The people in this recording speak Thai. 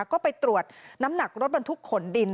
ก็ไปตรวจน้ำหนักรถบรรทุกขนดิน